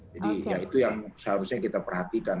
jadi itu yang seharusnya kita perhatikan